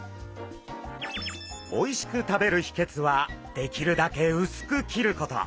おいしく食べるひけつはできるだけ薄く切ること。